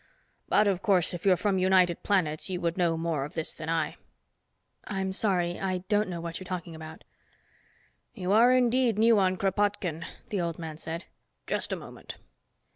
But, of course, if you're from United Planets you would know more of this than I." "I'm sorry. I don't know what you're talking about." "You are new indeed on Kropotkin," the old man said. "Just a moment."